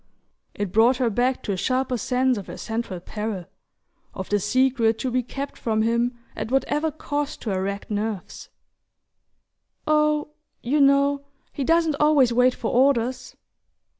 It brought her back to a sharper sense of her central peril: of the secret to be kept from him at whatever cost to her racked nerves. "Oh, you know, he doesn't always wait for orders!"